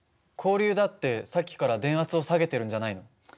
交流だってさっきから電圧を下げてるんじゃないの？